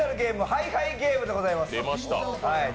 「ハイハイゲーム！！」でございます。